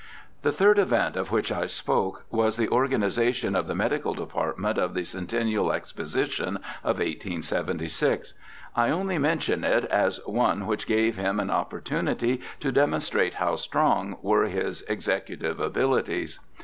The third event of which I spoke was the organization of the medical department of the Centennial Exposition of 1876. I only mention it as one which gave him an opportunity to demonstrate how strong were his execu tive abilities.